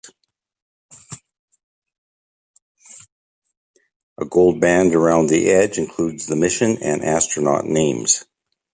A gold band around the edge includes the mission and astronaut names.